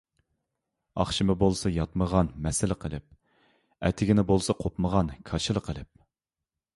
ئاخشىمى بولسا ياتمىغان مەسلە قىلىپ ئەتىگىنى بولسا قوپمىغان كاشىلا قىلىپ